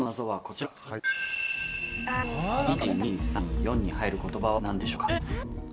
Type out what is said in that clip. １、２、３、４に入る言葉は何でしょうか？